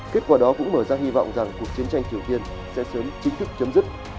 kết quả đó cũng mở ra hy vọng rằng cuộc chiến tranh triều tiên sẽ sớm chính thức chấm dứt